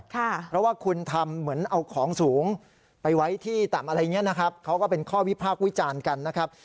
เพราะว่าคุณทำเหมือนเอาของสูงไปไว้ที่ต่ำอะไรอย่างนี้นะครับเขาก็เป็นข้อวิพากษ์วิจารณ์กันนะครับ